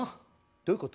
どういうこと？